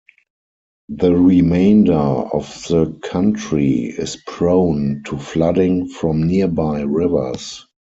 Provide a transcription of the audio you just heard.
The remainder of the country is prone to flooding from nearby rivers.